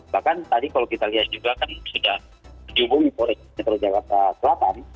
bahkan tadi kalau kita lihat juga kan sudah jumlah polisi dari jakarta selatan